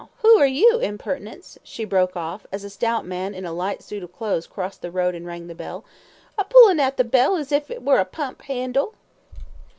Who are you, impertinence?" she broke off, as a stout man in a light suit of clothes crossed the road and rang the bell, "a pullin' at the bell as if it were a pump 'andle."